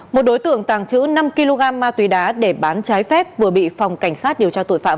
một đối tượng tàng trữ năm kg ma túy đá để bán trái phép vừa bị phòng cảnh sát điều tra tội phạm